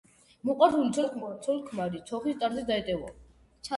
მოყვარული ცოლ–ქმარი თოხის ტარზე დაეტევაო